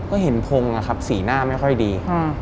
ก็เห็นพงศ์นะครับสีหน้าไม่ค่อยดี